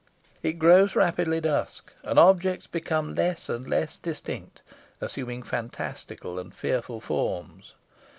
It grows rapidly dusk, and objects became less and less distinct, assuming fantastical and fearful forms.